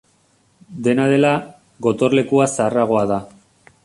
Dena dela, gotorlekua zaharragoa da.